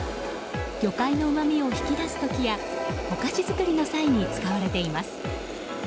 魚介のうまみを引き出す時やお菓子作りの際に使われています。